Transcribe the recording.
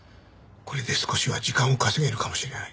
これで少しは時間を稼げるかもしれない。